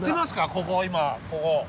ここ今ここ。